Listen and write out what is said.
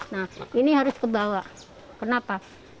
nah ini harus kebawah kenapa